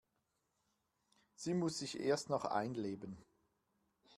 Sie muss sich erst noch einleben.